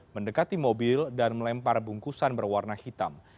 mendekati mobil dan melempar bungkusan berwarna hitam